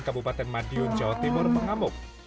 kabupaten madiun jawa timur mengamuk